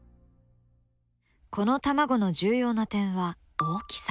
この卵の重要な点は大きさ。